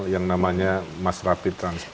yang namanya mass rapid transport